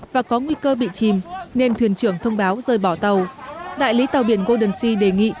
và có nguy cơ bị chìm nên thuyền trưởng thông báo rời bỏ tàu đại lý tàu biển golden sea đề nghị